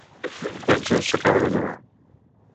Tot just s'acaba de llevar.